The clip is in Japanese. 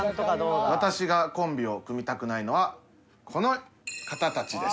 私がコンビを組みたくないのはこの方たちです。